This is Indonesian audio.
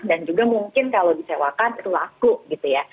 dan juga mungkin kalau disewakan itu laku gitu ya